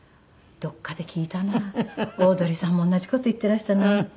どっかで聞いたなオードリーさんも同じ事言ってらしたな。